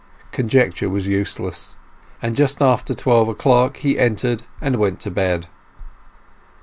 Conjecture was useless, and just after twelve o'clock he entered and went to bed.